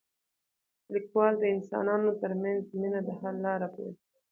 لیکوال د انسانانو ترمنځ مینه د حل لاره بولي.